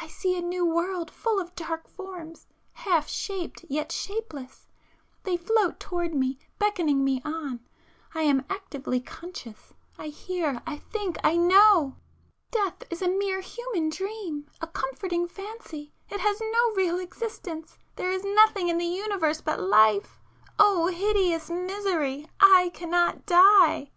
I see a new world full of dark forms, half shaped yet shapeless!—they float towards me, beckoning me on. I am actively conscious—I hear, I think, I know! Death is a mere human dream,—a comforting fancy; it has no real existence,—there is nothing in the Universe but life! O hideous misery!—I cannot die!